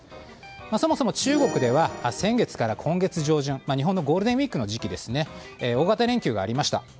そもそも中国では先月から今月上旬日本のゴールデンウィークの時期大型連休がありました。